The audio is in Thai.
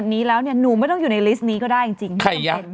นี่ค่ะทันมั้ยแงนี้แหละ